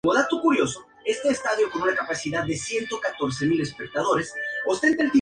Ser el mejor herrero del Mundodisco tiene, pues su precio.